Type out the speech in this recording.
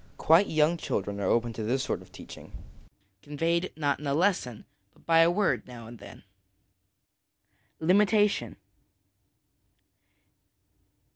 Quite young children are open to this sort of teaching, conveyed, not in a lesson, but by a word now and then. Limitation.